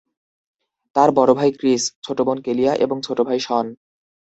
তার বড় ভাই ক্রিস, ছোট বোন কেলিয়া এবং ছোট ভাই শন।